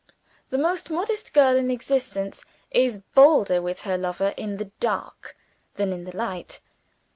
The most modest girl in existence is bolder with her lover in the dark than in the light.